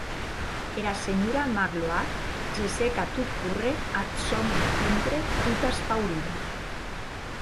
Era senhora Magloire gessec a tot córrer ath sòn encontre tota espaurida.